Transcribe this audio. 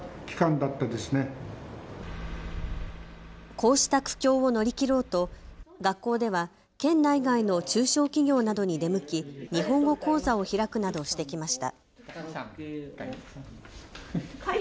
こうした苦境を乗り切ろうと学校では県内外の中小企業などに出向き、日本語講座を開くなどしてきました。